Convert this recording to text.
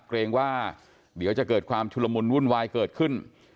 เกรงว่าเดี๋ยวจะเกิดความชุลมุนวุ่นวายเกิดขึ้น